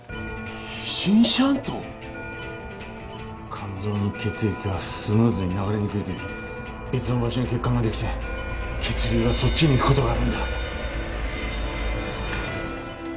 肝臓に血液がスムーズに流れにくい時別の場所に血管が出来て血流がそっちに行く事があるんだ。